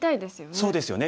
そうですよね。